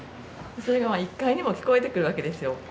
それが１階にも聞こえてくるわけですよ。